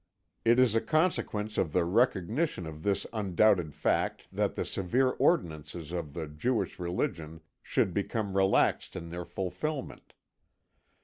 It is a consequence of the recognition of this undoubted fact that the severe ordinances of the Jewish religion should become relaxed in their fulfilment.